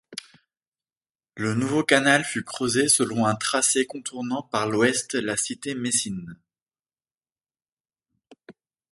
Le nouveau canal fut creusé selon un tracé contournant par l'ouest la cité messine.